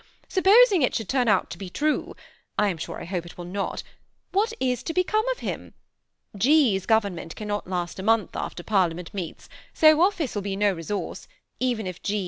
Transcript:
Supposing it should turn out to be true, — I am sure I hope it will not, — what is to become of him ? G.'s government cannot last a month after Parliament meets, so office will be no resource, even if G.